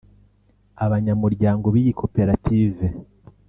Abanyamuryango b’iyi koperative